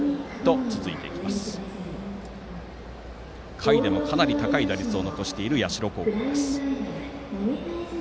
下位でも、かなり高い打率を残している社高校です。